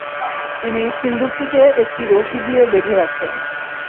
তিনি সিন্দুকটিকে একটি রশি দিয়ে বেঁধে রাখলেন।